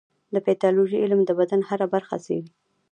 د پیتالوژي علم د بدن هره برخه څېړي.